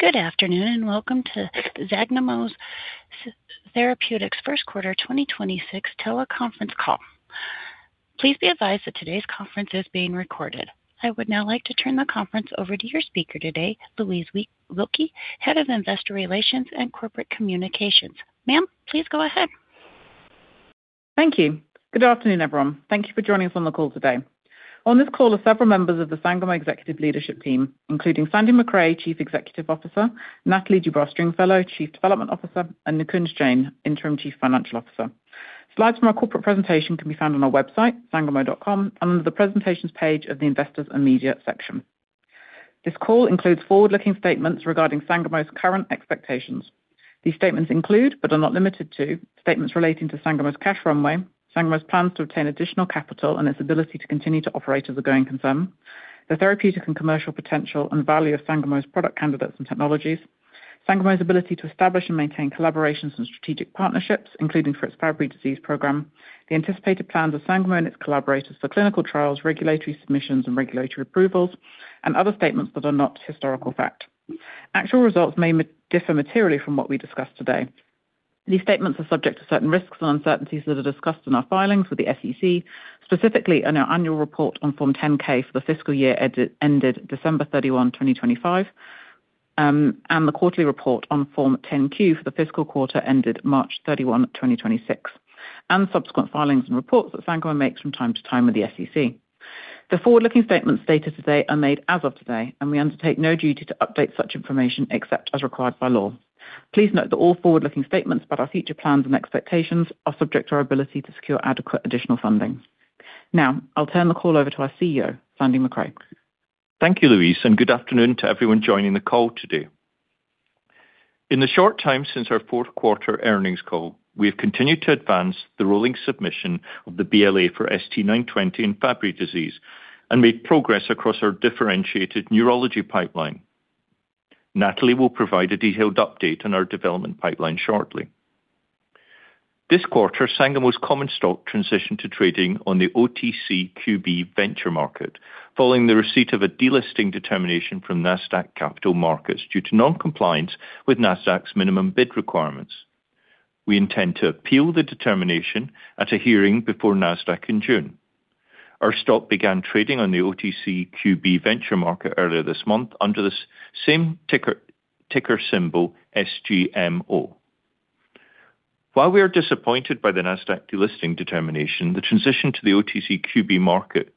Good afternoon, and welcome to Sangamo Therapeutics' first quarter 2026 teleconference call. Please be advised that today's conference is being recorded. I would now like to turn the conference over to your speaker today, Louise Wilkie, head of investor relations and corporate communications. Ma'am, please go ahead. Thank you. Good afternoon, everyone. Thank you for joining us on the call today. On this call are several members of the Sangamo executive leadership team, including Sandy Macrae, Chief Executive Officer, Nathalie Dubois-Stringfellow, Chief Development Officer, and Nikunj Jain, Interim Chief Financial Officer. Slides from our corporate presentation can be found on our website, sangamo.com, under the Presentations page of the Investors and Media section. This call includes forward-looking statements regarding Sangamo's current expectations. These statements include, but are not limited to, statements relating to Sangamo's cash runway, Sangamo's plans to obtain additional capital and its ability to continue to operate as a going concern, the therapeutic and commercial potential and value of Sangamo's product candidates and technologies, Sangamo's ability to establish and maintain collaborations and strategic partnerships, including for its Fabry disease program, the anticipated plans of Sangamo and its collaborators for clinical trials, regulatory submissions, and regulatory approvals, and other statements that are not historical fact. Actual results may differ materially from what we discuss today. These statements are subject to certain risks and uncertainties that are discussed in our filings with the SEC, specifically in our annual report on Form 10-K for the fiscal year ended December 31, 2025, and the quarterly report on Form 10-Q for the fiscal quarter ended March 31, 2026, and subsequent filings and reports that Sangamo makes from time to time with the SEC. The forward-looking statements stated today are made as of today, and we undertake no duty to update such information except as required by law. Please note that all forward-looking statements about our future plans and expectations are subject to our ability to secure adequate additional funding. Now, I'll turn the call over to our CEO, Sandy Macrae. Thank you, Louise, and good afternoon to everyone joining the call today. In the short time since our fourth quarter earnings call, we have continued to advance the rolling submission of the BLA for ST-920 in Fabry disease and made progress across our differentiated neurology pipeline. Nathalie will provide a detailed update on our development pipeline shortly. This quarter, Sangamo's common stock transitioned to trading on the OTCQB Venture Market following the receipt of a delisting determination from Nasdaq Capital Market due to non-compliance with Nasdaq's minimum bid requirements. We intend to appeal the determination at a hearing before Nasdaq in June. Our stock began trading on the OTCQB Venture Market earlier this month under the same ticker symbol SGMO. While we are disappointed by the Nasdaq delisting determination, the transition to the OTCQB market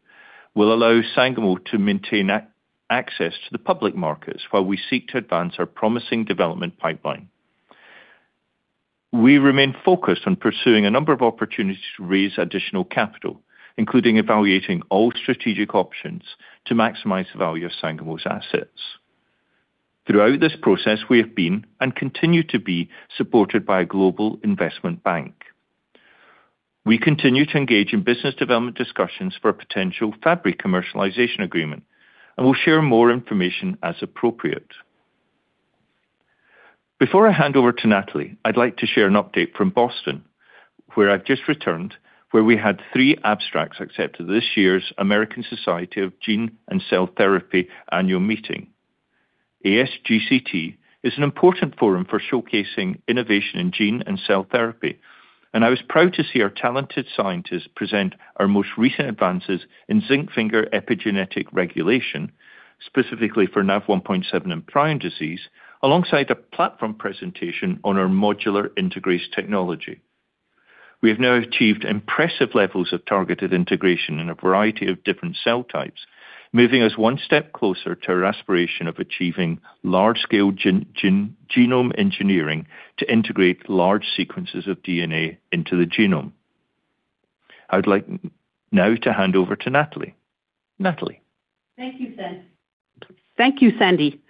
will allow Sangamo to maintain access to the public markets while we seek to advance our promising development pipeline. We remain focused on pursuing a number of opportunities to raise additional capital, including evaluating all strategic options to maximize the value of Sangamo's assets. Throughout this process, we have been and continue to be supported by a global investment bank. We continue to engage in business development discussions for a potential Fabry commercialization agreement and will share more information as appropriate. Before I hand over to Nathalie, I'd like to share an update from Boston, where I've just returned, where we had three abstracts accepted to this year's American Society of Gene and Cell Therapy annual meeting. ASGCT is an important forum for showcasing innovation in gene and cell therapy, and I was proud to see our talented scientists present our most recent advances in zinc finger epigenetic regulation, specifically for Nav1.7 and prion disease, alongside a platform presentation on our Modular Integrase technology. We have now achieved impressive levels of targeted integration in a variety of different cell types, moving us one step closer to our aspiration of achieving large-scale genome engineering to integrate large sequences of DNA into the genome. I'd like now to hand over to Nathalie. Nathalie. Thank you, Sandy. Thank you, Sandy.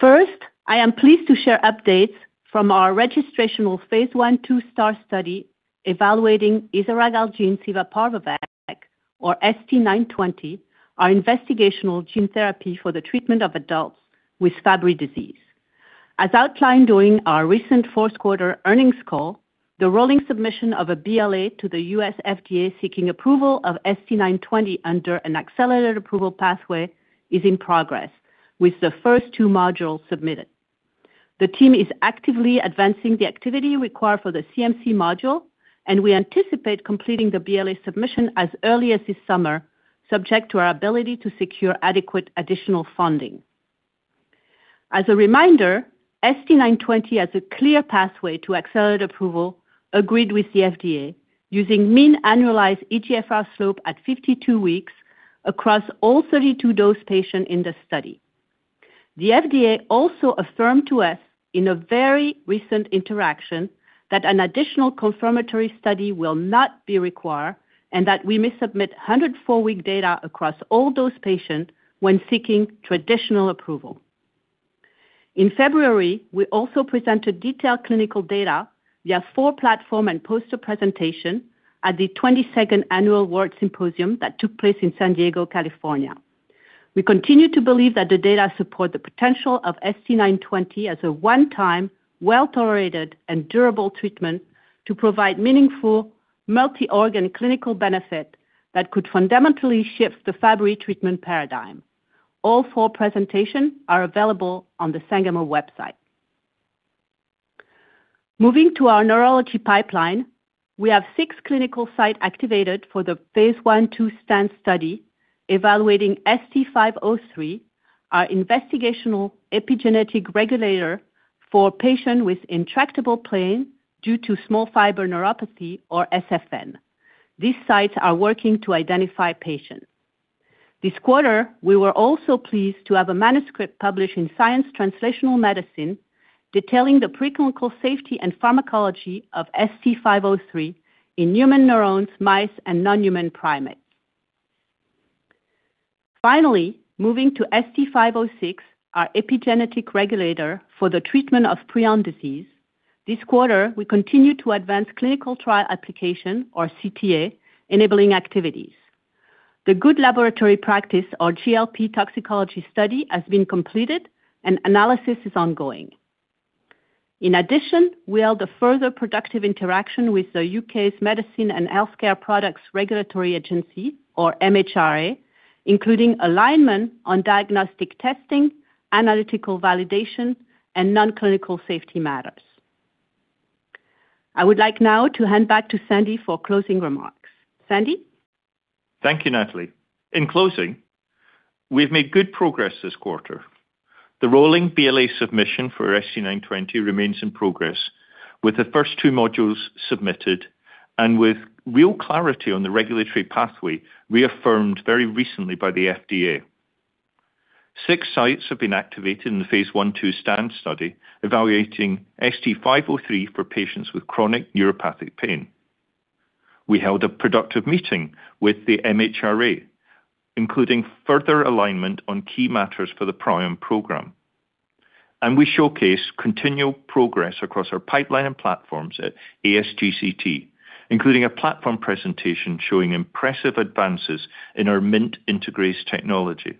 First, I am pleased to share updates from our registrational Phase I/II STAAR study evaluating isaralgagene civaparvovec, or ST-920, our investigational gene therapy for the treatment of adults with Fabry disease. As outlined during our recent fourth quarter earnings call, the rolling submission of a BLA to the U.S. FDA seeking approval of ST-920 under an accelerated approval pathway is in progress, with the first two modules submitted. The team is actively advancing the activity required for the CMC module and we anticipate completing the BLA submission as early as this summer, subject to our ability to secure adequate additional funding. As a reminder, ST-920 has a clear pathway to accelerated approval agreed with the FDA using mean annualized eGFR slope at 52 weeks across all 32 dosed patients in the study. The FDA also affirmed to us in a very recent interaction that an additional confirmatory study will not be required and that we may submit 104-week data across all those patients when seeking traditional approval. In February, we also presented detailed clinical data via four platform and poster presentations at the 22nd Annual WORLDSymposium that took place in San Diego, California. We continue to believe that the data support the potential of ST-920 as a one-time, well-tolerated, and durable treatment to provide meaningful multi-organ clinical benefit that could fundamentally shift the Fabry disease treatment paradigm. All four presentations are available on the Sangamo website. Moving to our neurology pipeline, we have six clinical sites activated for the phase I/II STAND study evaluating ST-503, our investigational epigenetic regulator for patients with intractable pain due to small fiber neuropathy, or SFN. These sites are working to identify patients. This quarter, we were also pleased to have a manuscript published in Science Translational Medicine detailing the preclinical safety and pharmacology of ST-503 in human neurons, mice, and non-human primates. Finally moving to ST-506, our epigenetic regulator for the treatment of prion disease, this quarter we continue to advance clinical trial application, or CTA-enabling activities. The good laboratory practice, or GLP, toxicology study has been completed, and analysis is ongoing. We held a further productive interaction with the U.K.'s Medicines and Healthcare Products Regulatory Agency, or MHRA, including alignment on diagnostic testing, analytical validation, and non-clinical safety matters. I would like now to hand back to Sandy for closing remarks. Sandy? Thank you, Nathalie. In closing, we've made good progress this quarter. The rolling BLA submission for ST-920 remains in progress, with the first two modules submitted and with real clarity on the regulatory pathway reaffirmed very recently by the FDA. Six sites have been activated in the Phase I/II STAND study evaluating ST-503 for patients with chronic neuropathic pain. We held a productive meeting with the MHRA, including further alignment on key matters for the prion program. We showcase continual progress across our pipeline and platforms at ASGCT, including a platform presentation showing impressive advances in our MINT integrase technology.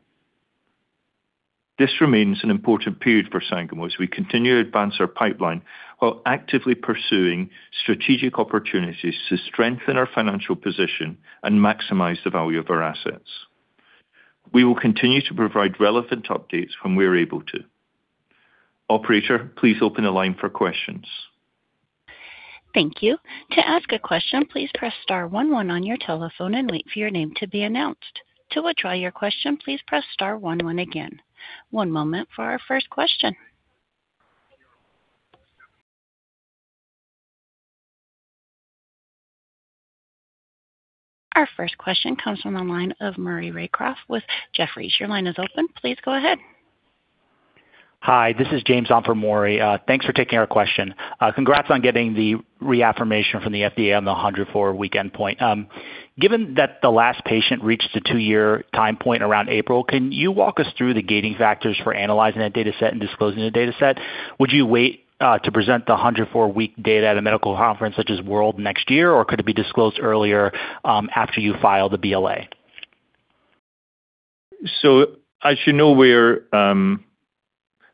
This remains an important period for Sangamo as we continue to advance our pipeline while actively pursuing strategic opportunities to strengthen our financial position and maximize the value of our assets. We will continue to provide relevant updates when we are able to. Operator, please open the line for questions. Thank you. To ask a question, please press star one one on your telephone and wait for your name to be announced. To withdraw your question, please press star one one again. One moment for our first question. Our first question comes from the line of Maury Raycroft with Jefferies. Your line is open. Please go ahead. Hi. This is James on for Maury. Thanks for taking our question. Congrats on getting the reaffirmation from the FDA on the 104-week endpoint. Given that the last patient reached the two-year time point around April, can you walk us through the gating factors for analyzing that data set and disclosing the data set? Would you wait to present the 104-week data at a medical conference such as WORLDSymposium next year, or could it be disclosed earlier after you file the BLA? As you know, we're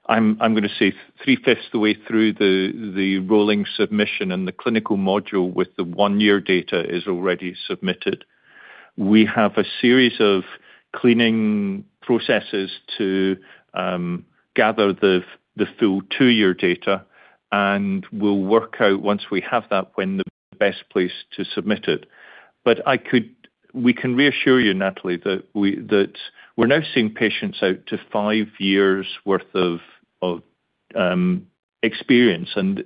I'm gonna say three-fifths the way through the rolling submission, and the clinical module with the one-year data is already submitted. We have a series of cleaning processes to gather the full two-year data, and we'll work out once we have that when the best place to submit it. We can reassure you, Nathalie, that we're now seeing patients out to five years' worth of experience, and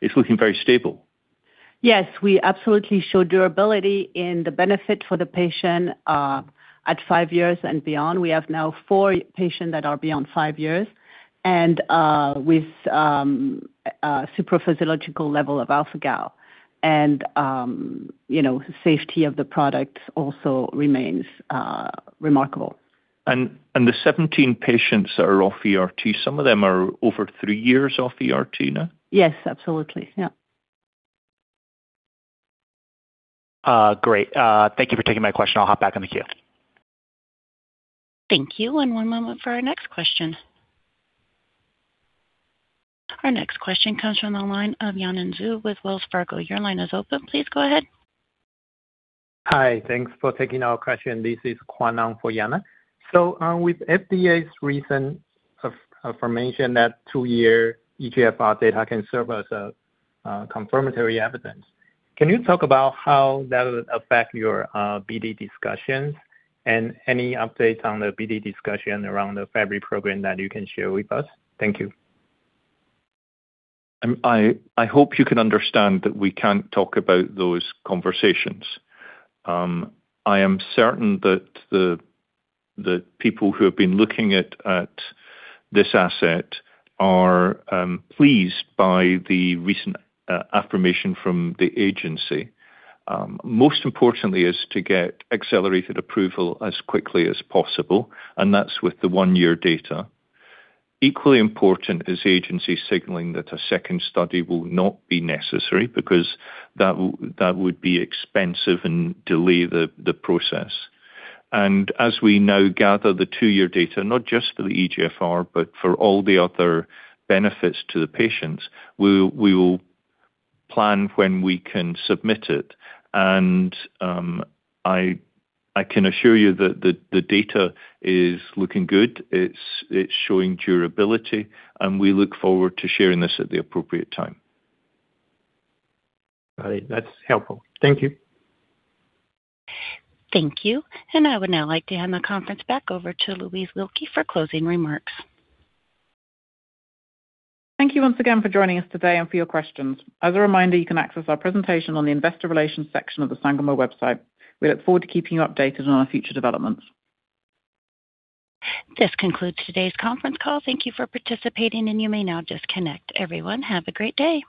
it's looking very stable. Yes, we absolutely show durability in the benefit for the patient at five years and beyond. We have now four patients that are beyond five years and with a supraphysiological level of alpha-Gal. You know, safety of the products also remains remarkable. The 17 patients that are off ERT—some of them are over three years off ERT now? Yes, absolutely. Yeah. Great. Thank you for taking my question. I'll hop back in the queue. Thank you. One moment for our next question. Our next question comes from the line of Yanan Zhu with Wells Fargo. Your line is open. Please go ahead. Hi. Thanks for taking our question. This is Kwan for Yanan. With FDA's recent affirmation that two-year eGFR data can serve as a confirmatory evidence, can you talk about how that'll affect your BD discussions and any updates on the BD discussion around the Fabry program that you can share with us? Thank you. I hope you can understand that we can't talk about those conversations. I am certain that the people who have been looking at this asset are pleased by the recent affirmation from the agency. Most importantly is to get accelerated approval as quickly as possible, that's with the one-year data. Equally important is the agency signaling that a second study will not be necessary because that would be expensive and delay the process. As we now gather the two-year data, not just for the eGFR but for all the other benefits to the patients, we will plan when we can submit it. I can assure you that the data is looking good. It's showing durability, we look forward to sharing this at the appropriate time. All right. That's helpful. Thank you. Thank you. I would now like to hand the conference back over to Louise Wilkie for closing remarks. Thank you once again for joining us today and for your questions. As a reminder, you can access our presentation on the investor relations section of the Sangamo website. We look forward to keeping you updated on our future developments. This concludes today's conference call. Thank you for participating, and you may now disconnect. Everyone, have a great day.